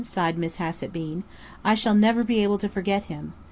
sighed Miss Hassett Bean. "I shall never be able to forget him.